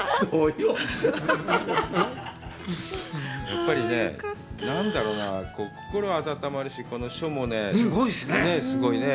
やっぱり、何だろうな、心が温まるし、この書もすごいっすねぇ。